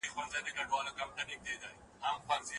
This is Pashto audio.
موږ ډېر ځله پلټنه د علمي موخې لپاره نه کوو.